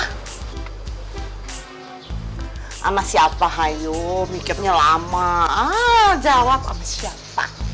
sama siapa hayu mikirnya lama jawab sama siapa